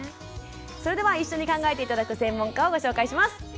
それでは一緒に考えて頂く専門家をご紹介します。